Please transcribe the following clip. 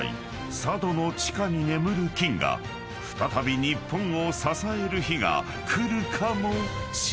［佐渡の地下に眠る金が再び日本を支える日が来るかもしれない］